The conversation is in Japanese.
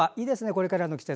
これからの季節。